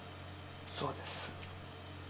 そうです。